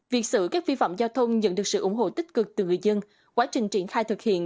việc xử các vi phạm giao thông nhận được sự ủng hộ tích cực từ người dân quá trình triển khai thực hiện